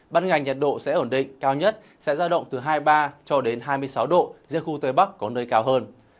ban ngày nhiệt độ sẽ ổn định cao nhất sẽ ra đồng từ hai mươi ba hai mươi sáu độ giữa khu tây bắc có nơi cao hơn